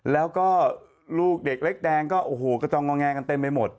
แล้วก็ลูกเด็กเล็กแดงก็โอ้โหกระจองงอแงกันเต็มไปหมด